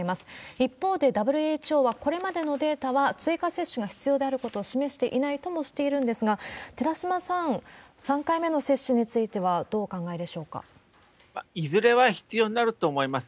一方で、ＷＨＯはこれまでのデータは追加接種が必要であることを示していないともしているんですが、寺嶋さん、３回目の接種についてはどいずれは必要になると思います。